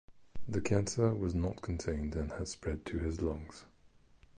The cancer was not contained and has spread to his lungs.